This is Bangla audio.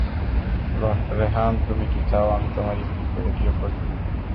রেহান, তুমি কি চাও আমি তোমার ইউনিটকে রেডিও করি?